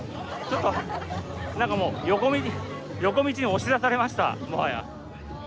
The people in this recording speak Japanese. ちょっと、なんかもう、横道に押し出されました、もはや。